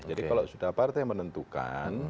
jadi kalau sudah partai menentukan